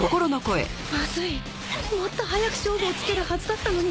まずいもっと早く勝負をつけるはずだったのに。